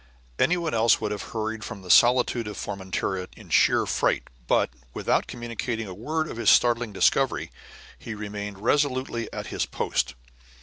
Anyone else would have hurried from the solitude of Formentera in sheer fright; but, without communicating a word of his startling discovery, he remained resolutely at his post.